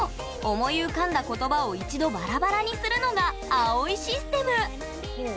思い浮かんだ言葉を一度バラバラにするのが「葵システム」。